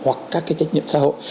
hoặc các cái trách nhiệm nhân đạo